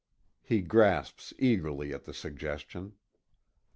He grasps eagerly at the suggestion.